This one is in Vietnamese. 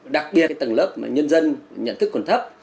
cái tầng lớp mà nhân dân nhận thức còn thấp